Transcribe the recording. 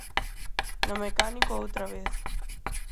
No mecánico outra vez.